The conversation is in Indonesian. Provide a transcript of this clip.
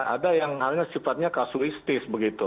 ada yang halnya sifatnya kasuistis begitu